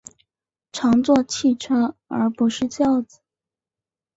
乘坐汽车而不是轿子